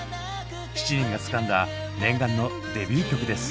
７人がつかんだ念願のデビュー曲です。